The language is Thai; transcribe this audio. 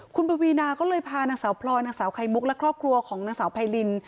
คุณปวีนาก็เลยพานางสาวพลอยนางสาวไข่มุกและครอบครัวของนางสาวไพริน